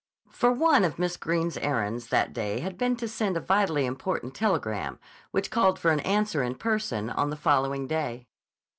For one of Miss Greene's errands that day had been to send a vitally important telegram which called for an answer in person on the following day.